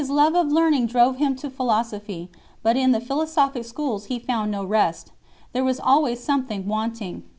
69 learning drove him to philosophy, but in the philosophic schools he found no rest ; there was always something wanting.